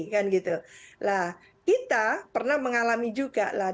kita pernah mengatakan